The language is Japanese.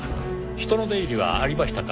人の出入りはありましたか？